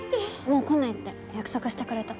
もう来ないって約束してくれた。